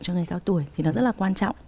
cho người cao tuổi thì nó rất là quan trọng